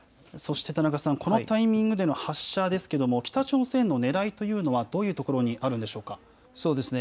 そして、田中さん、このタイミングでの発射ですけども、北朝鮮のねらいというのはどういうところにあるんでしょうか。